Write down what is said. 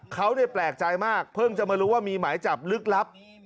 เขาแปลกใจมากเพิ่งจะมารู้ว่ามีหมายจับลึกลับ